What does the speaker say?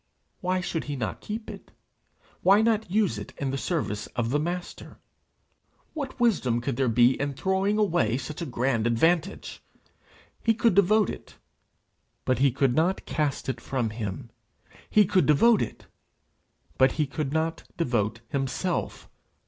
Why should he not keep it? why not use it in the service of the Master? What wisdom could there be in throwing away such a grand advantage? He could devote it, but he could not cast it from him! He could devote it, but he could not devote himself!